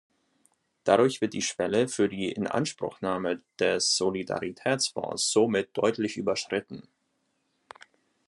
Dadurch wird die Schwelle für die Inanspruchnahme des Solidaritätsfonds somit deutlich überschritten.